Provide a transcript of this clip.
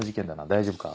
大丈夫か？